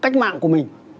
cách mạng của mình